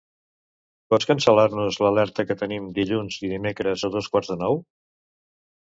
Pots cancel·lar-nos l'alerta que tenim dilluns i dimecres a dos quarts de nou?